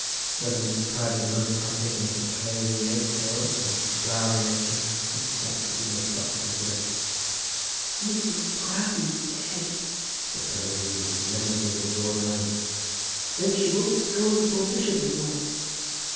Whether Mrs. Proudie had most partaken of the clayey nature or of the flowery nature, Mrs. Baxter did not stop to consider. "Mrs. Proudie dead!" said Posy, with a solemnity that was all her own. "Then she won't scold the poor bishop any more."